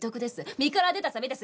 身から出たさびです。